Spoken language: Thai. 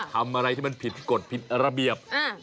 ทำอะไรที่มันผิดกฎผิดระเบียบ